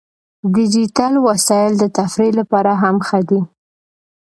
ډیجیټل وسایل د تفریح لپاره هم ښه دي.